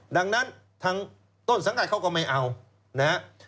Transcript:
ดังนั้นทางต้นสังกัดเขาก็ไม่เอานะครับ